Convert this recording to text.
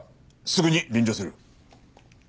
すぐに臨場する。